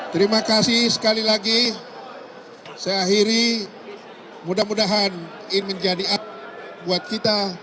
terima kasih sekali lagi saya akhiri mudah mudahan ini menjadi up buat kita